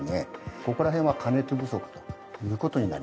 ここら辺は加熱不足という事になります。